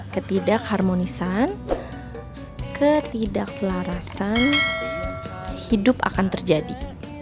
ketidak harmonisan ketidak selarasan hidup akan terjadi